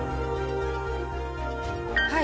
はい。